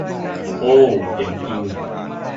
โอว เจ๋งจริง